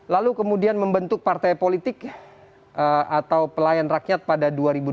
lalu kemudian membentuk partai politik atau pelayan rakyat pada dua ribu dua puluh